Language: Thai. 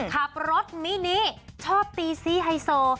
ขับรถมินิชอบตีซี่ไฮโซ